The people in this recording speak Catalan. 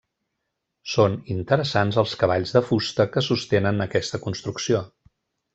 Són interessants els cavalls de fusta que sostenen aquesta construcció.